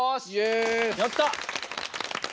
やった！